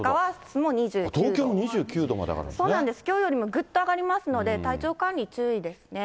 東京も２９度まで上がるんでそうなんです、きょうよりもぐっと上がりますので、体調管理、注意ですね。